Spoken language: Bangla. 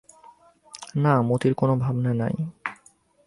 না, মতির কোনো ভাবনা নাই।